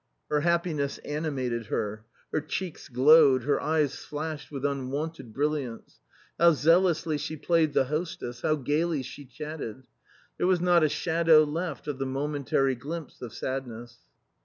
Her happiness animated her. Her cheeks glowed, her eyes flashed with unwonted brilliance. How zealously she played the hostess, how gaily she. chatted! There was not a shadow left of the momentary glimpse of sad ness.